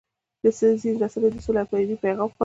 ځینې رسنۍ د سولې او مینې پیغام خپروي.